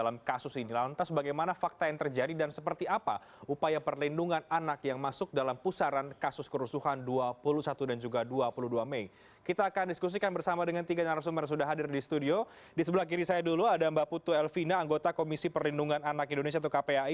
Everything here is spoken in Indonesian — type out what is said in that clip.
mbak putu elvina anggota komisi perlindungan anak indonesia atau kpai